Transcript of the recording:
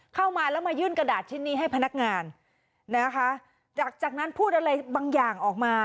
เข้ามาแล้วมายื่นกระดาษชิ้นนี้ให้พนักงานนะคะจากจากนั้นพูดอะไรบางอย่างออกมา